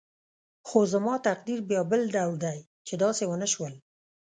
خو زما تقدیر بیا بل ډول دی چې داسې ونه شول.